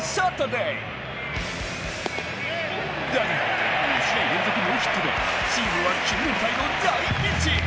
だが、２試合連続ノーヒットでチームは９連敗の大ピンチ。